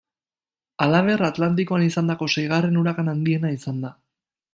Halaber, Atlantikoan izandako seigarren urakan handiena izan da.